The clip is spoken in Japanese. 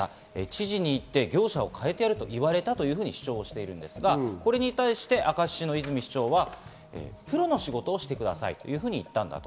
知事に言って業者を変えてやると言われたと主張しているんですが、これに対して明石市の泉市長はプロの仕事をしてくださいというふうに言ったと。